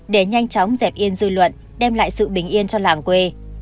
để nhanh chóng dẹp yên dư luận đem lại sự bình yên cho làng quê